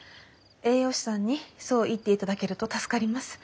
栄養士さんにそう言っていただけると助かります。